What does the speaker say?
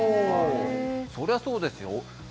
そりゃあ、そうですよ。